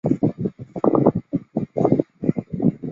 最早提到徐福的是源隆国的今昔物语。